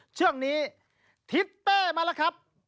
ช่วงนี้ทิศเป้มาแล้วครับ